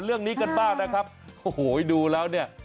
เรื่องนี้กันบ้างนะครับโอ้โหดูแล้วเนี่ย